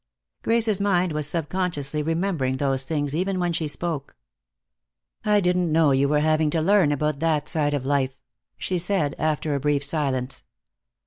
Grace's mind was sub consciously remembering those things even when she spoke. "I didn't know you were having to learn about that side of life," she said, after a brief silence.